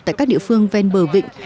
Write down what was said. tại các địa phương ven bờ vịnh